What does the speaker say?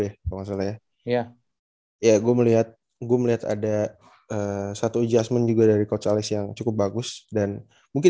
ya iya ya gue melihat gue melihat ada satu jasmin juga dari coach alex yang cukup bagus dan mungkin